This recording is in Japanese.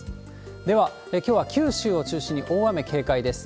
では、きょうは九州を中心に大雨警戒です。